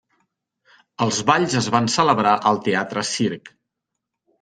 Els balls es van celebrar al Teatre Circ.